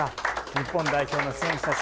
日本代表の選手たち